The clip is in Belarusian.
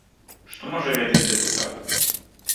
Што можа ведаць дэпутат?